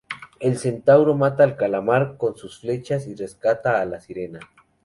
El centauro mata al calamar con sus flechas y rescata a la sirena.